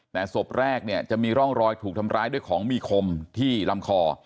แต่ศพแรกเนี่ยจะมีร่องรอยถูกทำร้ายด้วยของมีคมที่ลำคอ